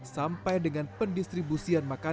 sampai dengan pendistribusian makanan